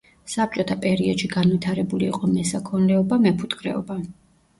საბჭოთა პერიოდში განვითარებული იყო მესაქონლეობა, მეფუტკრეობა.